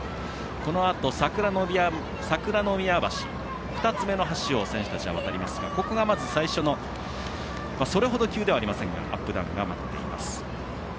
このあと、桜宮橋２つ目の橋を選手たちは渡りますがここがまず最初のそれほど急ではありませんがアップダウンが待っています。